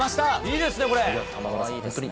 いいですね、これ。